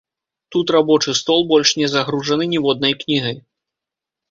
Тут рабочы стол больш не загружаны ніводнай кнігай.